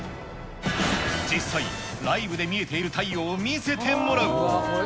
実際、ライブで見えている太陽を見せてもらう。